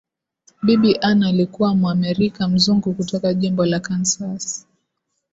Bibi Ann alikuwa Mwamerika Mzungu kutoka jimbo la Kansas